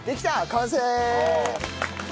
完成！